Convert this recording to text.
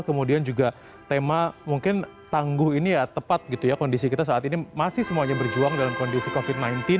kemudian juga tema mungkin tangguh ini ya tepat gitu ya kondisi kita saat ini masih semuanya berjuang dalam kondisi covid sembilan belas